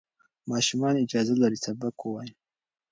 ماشومان اجازه لري سبق ووایي.